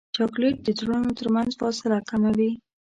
چاکلېټ د زړونو ترمنځ فاصله کموي.